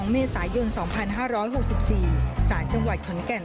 เมษายน๒๕๖๔สารจังหวัดขอนแก่น